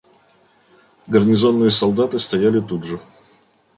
Гарнизонные солдаты стояли тут же.